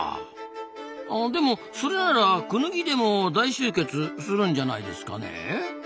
あでもそれならクヌギでも大集結するんじゃないですかね？